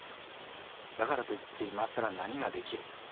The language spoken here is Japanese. だからといって今更何ができる？